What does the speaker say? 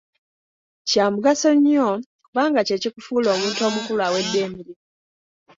Kya mugaso nnyo, kubanga kye kikufuula omuntu omukulu awedde emirimu.